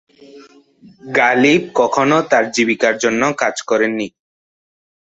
গালিব কখনো তার জীবিকার জন্য কাজ করেননি।